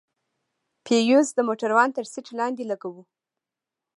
فيوز د موټروان تر سيټ لاندې لگوو.